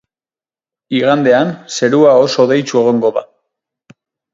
Igandean, zerua oso hodeitsu egongo da.